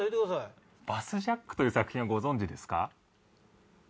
・『バスジャック』という作品はご存じですか？